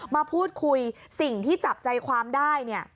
มาพูดคุยสิ่งที่จับใจความได้เนี่ย